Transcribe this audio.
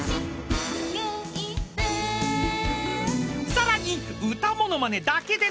［さらに歌ものまねだけでなく］